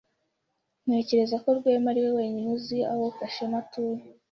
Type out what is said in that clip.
Ntekereza ko Rwema ariwe wenyine hano uzi aho Gashema atuye.